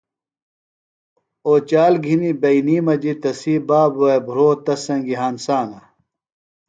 اوچال گِھنیۡ بئینی مجیۡ تسی بابوے بھرو تس سنگیۡ ہنسانہ۔